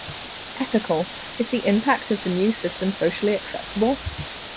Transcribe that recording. Ethical - is the impact of the new system socially acceptable?